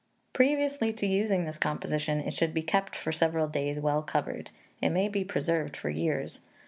Previously to using this composition, it should be kept for several days well covered. It may be preserved for years.